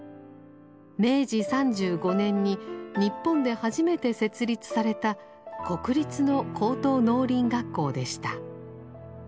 明治３５年に日本で初めて設立された国立の高等農林学校でした。